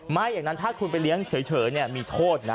ไม่อย่างนั้นถ้าคุณไปเลี้ยงเฉยมีโทษนะ